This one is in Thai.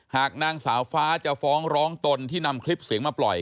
หากนางสาวฟ้าจะฟ้องร้องตนที่นำคลิปเสียงมาปล่อย